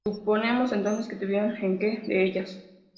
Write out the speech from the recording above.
Suponemos entonces que estuviera en k de ellas.